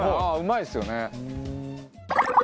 うまいですよね。